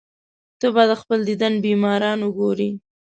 ته به د خپل دیدن بیماران وګورې.